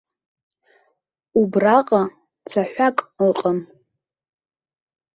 Убраҟа цәаҳәак ыҟан.